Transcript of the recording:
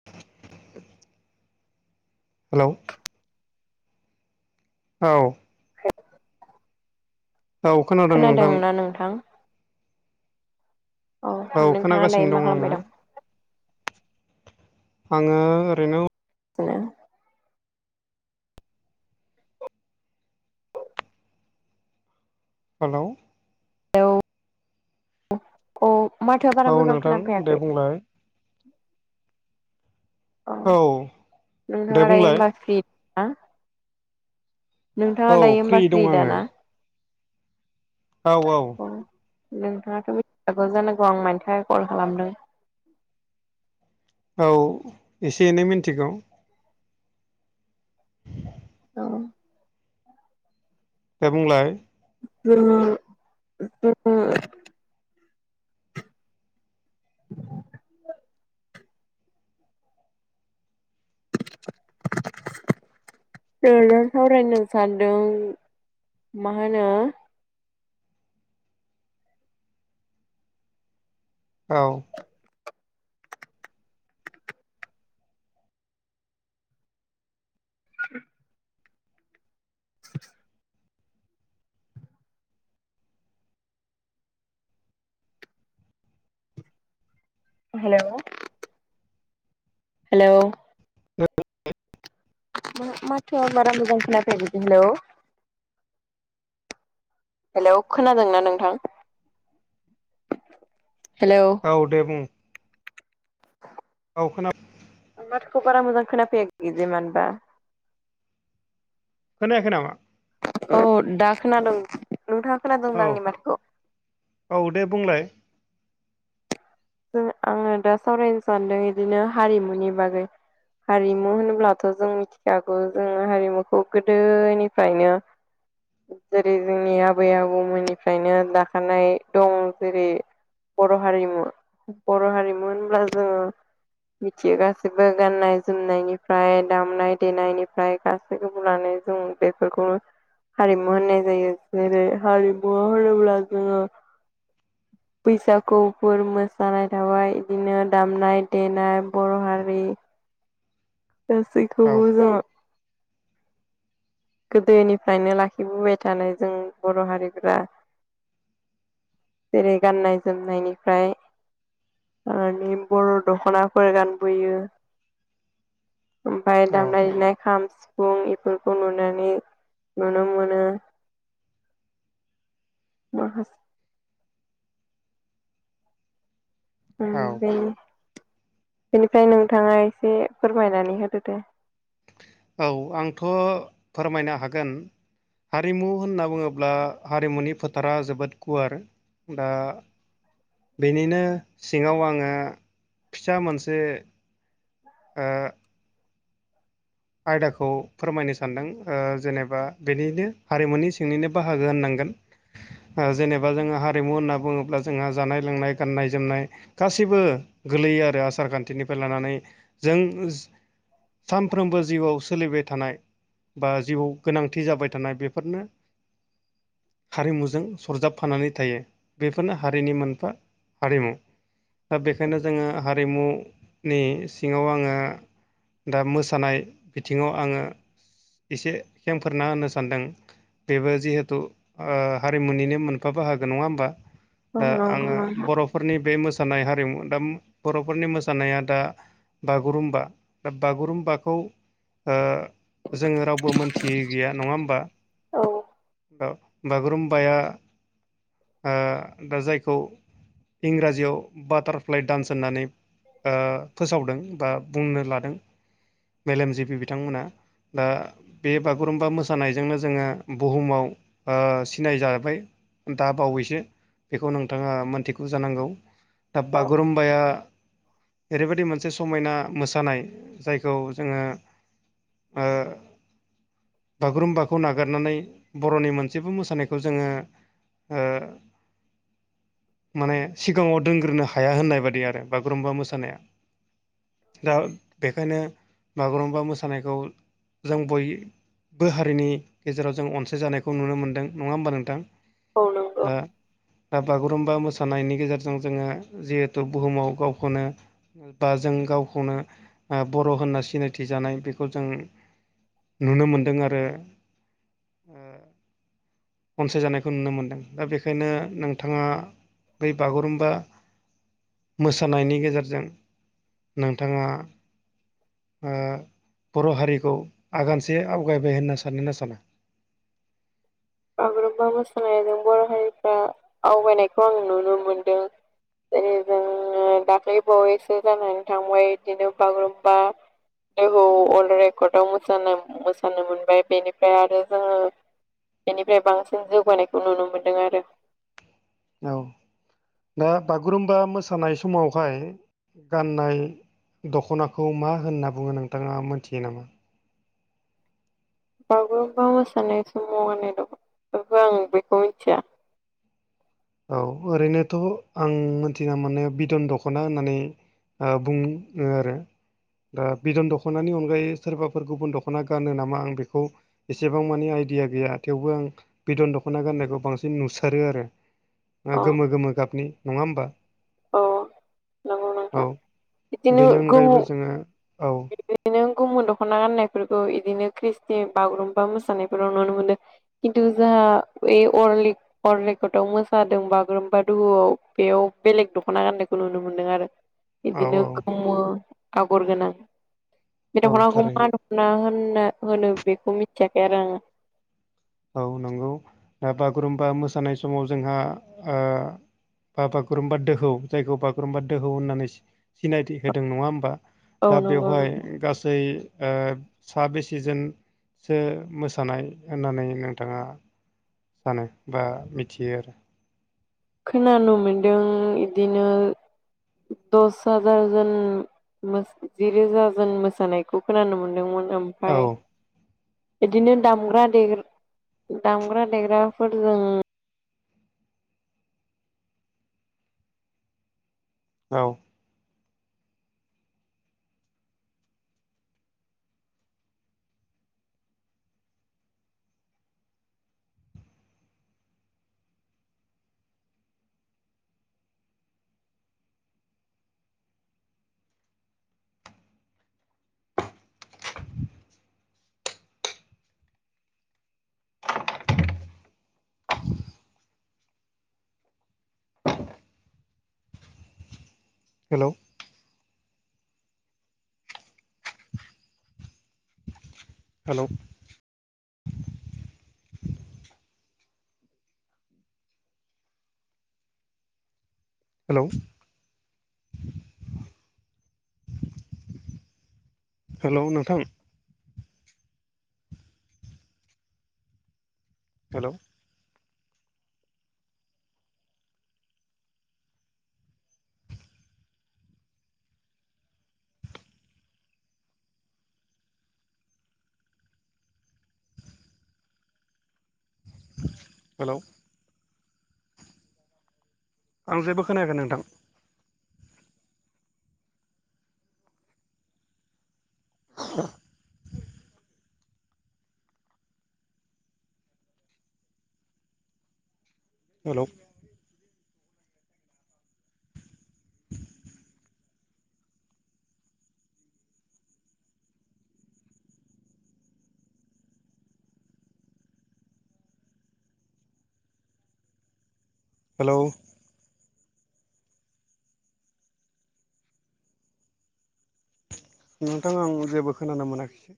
[inaudible] Hello औ। औ खोनादों नोंथां खोनादोंना नोंथां। औ नोंथाङा दायो खोनागासिनो मा दं आङो खालामबाय आङो ओरैनो ज [inaudible] हेलौ। अ माथोआ बारा औ मोजां नोंथां दे खोनाफैयाखै बुंलाय औ दे नोंथाङा दायो बुंलाय। होमबा फ्रि ना औ नोंथाङा दायो फ्रि दं माख्रि आङो दाना औ औ। नोंथाङाथ' मिथिखागौ जानांगौ आं मानि थाखाय कल खालामदों। औ एसे एनै मिन्थिगौ। औ। दे बुंलाय। ज [unintelligible] [inaudible] जों सावरायनो सानदों मा होनो औ। [inaudible] [inaudible] Hello hello. औ। मा माथोआ मारा मोजां खोनाफैयाखै हेलौ। हेलौ खोनादोंना नोंथां? हेलौ। औ दे बुं। औ खोनाबा माथोखौ बारा मोजां खोनाफैयाखै मानोबा खोनायाखै नामा? औ दा खोनादों नोंथाङा खोनादों औ दा आंनि माथोखौ औ दे बुंलाय। जों आङो दा सावरायनो सान्दों इदिनो हारिमुनि बागै हारिमु होनोब्लाथ' जों मिथिखागौ जों हारिमुखौ गोदोनिफ्रायनो [inaudible] जेरै जोंनि आबै आबौमोननिफ्रायनो दाखानाय दं जेरै बर' हारिमु बर' हारिमु होनब्ला जोङो मिथियो गाैबो गाननाय जोमनायनिफ्राय दामनाय देनायनिफ्राय गा खौनानै जों बेफोरखौ हारिमु होननाय जायो जेरै हारिमु होनोब्ला जोङो बैसागुफोर मोसानाय थाबाय बिदिनो दामनाय देनाय बर' हारि औ दासैखौबो जों गोदोनिफ्रायनो लाखिबोबाय थानाय जों बर' हारिफोरा जेरै गाननाय जोमनायनिफ्राय मानि बर' दखनाफोर गानबोयो ओमफफ्राय औ दामनाय देनाय खाम सिफुं इफोरखौ नुनो नुनो मोनो [unintelligible] औ ओं बेनिफ्राय नोंथाङा एसे फोरमायनानै होदो दे औ आंथ फोरमायनो हागोन हारिमु होनना बुङोब्ला हारिमुनि फोथारा जोबोद गुवार दा बेनिनो सिङाव आङो फिसा मोनसे ओ आयदाखौ फोरमायनो सानदों ओ जेनेबा बेनिनो हारिमुनि सिंनिनो बाहागो होननांगोन ओ जोंहा जेनेबा जोङो हारिमु होनना बुङोब्ला जोंहा जानाय लोंनाय गाननाय जोमनाय गासैबो गोलैयो आरो आसार खान्थिनिफ्राय लानानै जों साफ्रोमबो जिउआव सोलिबाय थानाय बा जिउआव गोनांथि जाबाय थानाय बेफोरनो हारिमुजों सरजाबफानानै थायो बेफोरनो हारिनि मोनफा हारिमु दा बेखायनो जोङो हारिमुनि सिङाव आङो दा मोसा सानाय बिथिङाव आङो एसे खेंफोरना होनो सानदों बेबो जिहेथु हारिमुनिनो मोनफा बाहागो नङा होमबा औ दा आङो नंगौ नोंथां। बर'फोरनि बे मोसानाय हारिमु दा बर'फोरनि मोसानाया दा बागुरुम्बा दा बागुरुम्बा खौ ओ जोङो रावबो मोनथियै गैया नङा होमबा औ औ बागुरुमबाया ओ दा जायखौ इंराजियाव बाटारफ्लाइ डान्स होननानै ओ फोसावदों बा बुंनो लादों मेलेमजिबि बिथांमोना दा बे बागुरुम्बा मोसानायजोंनो जोङो बुहुमाव ओ सिनाय जाबाय दा बावैसो बेखौ नोंथाङा मोनथिगौ जानांगौ दा औ बागुरुम्बाया ओरैबायदि मोनसे समायना मोसानाय जायखौ जोङो ओ बागुरुम्बाखौ नागारनानै बर'नि मोनसेबो मोसानायखौ जोङो ओ [inaudible] माने सिगाङाव दोनग्रोनो हाया होननाय बादि आरो बागुरुम्बा मोसानाया दा बेखायनो बागुरुम्बा मोसानायखौ जों बय बो हारिनि गेजेराव जों अनसायजानायखौ नुनो मोनदों नङा होमबा नोंथां औ नंगौ दा दा बागुरुम्बा मोसानायनि गेजेरजों जोङो जिहेथु बुहुमाव गावखौनो बा जों गावखौनो ओ बर' होनना सिनायथिजानाय बेखौ जों नुनो मोनदों आरो अनसायजानायखौ नुनो मोनदों दा बेखायनो नोंथाङा बै बागुरुम्बा मोसानायनि गेजेरजों नोंथाङा ओ बर' हारिखौ आगानसे आवगायबाय होनना सानोना साना बागुरुम्बा मोसानायजों बर' हारिफ्रा आवगायनायखौ आं नुनो मोनदों जेरै जों दाख्लैबावैसो जानानै थांबाय बिदिनो बागुरुमबा दहौ अर्ल्ड रेकर्डआव मोसानो मोनबाय बेनिफ्राय आरो जोङो बेनिफ्राय बांसिन जौगानायखौ नुनो मोन्दों आरो औ दा बागुरुम्बा मोसानाय समावहाय गाननाय दख'नाखौ मा होनना बुङो नोंथाङा मोनथियो नामा बावुरबा मोसानाय समनाय दं बे आं बेखौ मिथिया औ ओरैनोथ' आं मिथिना मोननायाव बिदन दख'ना होननानै ओ बुं बुङो आरो दा बिदन दख'नानि अनगायै सोरबाफोर गुबुन दख'ना गानो नामा आं बेखौ एसेबां मानिे आइडिया गैया थेवबो आं बिदन दख'ना गाननायखौ बांसिन नुसारो आरो अ गोमो गोमो गाबनि नङा होमबा औ नंगौ नोंथां औ बिदिनो बेनि गोमो अनगायैबो जोङो औ बिदिनो गुबुमुन दख'ना गाननायफोरखौ बिदिनो ख्रिस्टि बागुरुम्बा मोसानायफोराव नुनो मोनदों खिन्थु जाहा बे अरलिक हरलकटआव मोसादों बागुरुम्बा दुहुआव बेयाव बेलेग दख'ना गान्नायखौ नुनो मोनदों आरो औ बिदिनो औ गोमो आगर गोनां बे औ दख'नाखौ थारैनो मा दख'ना होनना होनो बेखौ मिथियाखै आरो आङो औ नंगौ दा बागुरुम्बा मोसानाय समाव जोंहा बा बागुरुम्बा दोहौ जायखौ बागुरुम्बा दोहौ होननानै सिनायथि होदों नङा होमबा औ दा नंगौ बेवहाय नोंथां गासै सा बे सिजोनसो मोसानाय होननानै नोंथाङा सानो बा मिथियो आरो खोनानो मोनदों इदिनो दस हाजारजन जििरोज जोन मोसानायखौ खोनानो मोनदोंमोन ओमफफ्राय आरो बिदिनो दामग्रा दे दामग्रा देग्राफोरजों औ हेल' हेल' हेल' हेल' नोंथां हेल' हेल' आं जेबो खोनायाखै नोंथां [unintelligible] हेलौ हेलौ नोंथाङा आं जेबो खोनानो मोनाखिसै